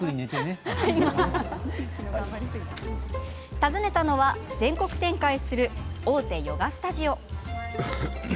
訪ねたのは、全国展開する大手ヨガスタジオ。